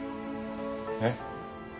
えっ？